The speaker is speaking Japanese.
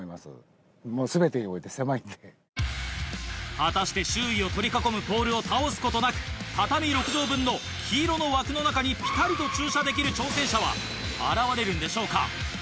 果たして周囲を取り囲むポールを倒すことなく畳６畳分の黄色の枠の中にぴたりと駐車できる挑戦者は現れるんでしょうか？